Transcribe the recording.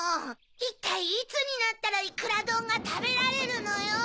いったいいつになったらいくらどんがたべられるのよ。